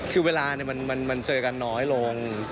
คือเวลาเนี่ยมันมันเจอกันน้อยลง